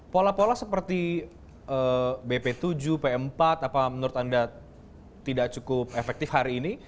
pola pola seperti bp tujuh pm empat apa menurut anda tidak cukup efektif hari ini